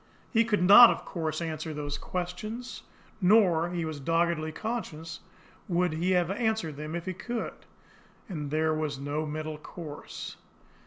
He could not, of course, answer those questions; nor, he was doggedly conscious, would he have answered them if he could and there was no middle course.